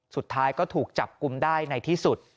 สุดท้ายก็ถูกจับกลุ่มได้ในที่สุด